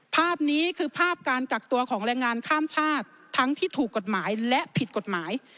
ภาพนี้คือภาพการกักตัวของแรงงานข้ามชาติทั้งที่ถูกกฎหมายและผิดกฎหมาย